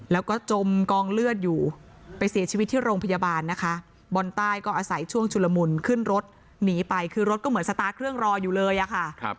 แล้วก็จมกองเลือดอยู่ไปเสียชีวิตที่โรงพยาบาลนะคะบอลใต้ก็อาศัยช่วงชุลมุนขึ้นรถหนีไปคือรถก็เหมือนสตาร์ทเครื่องรออยู่เลยอะค่ะ